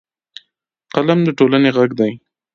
قلم د ټولنې غږ دی